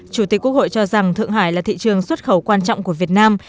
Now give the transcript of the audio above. chủ tịch quốc hội cho rằng thượng hải là thị trường xuất khẩu quan trọng của việt nam